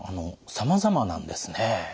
さまざまなんですね。